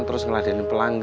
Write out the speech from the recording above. terus ngeladenin pelan